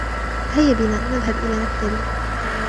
هيا بنا نذهب إلى مكتبي.